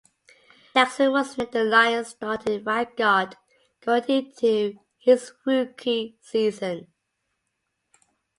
Jackson was named the Lions starting right guard going into his rookie season.